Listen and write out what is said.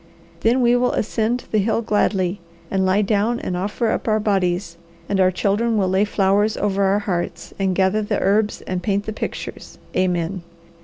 Then we will ascend the hill gladly and lie down and offer up our bodies, and our children will lay flowers over our hearts, and gather the herbs and paint the pictures? Amen.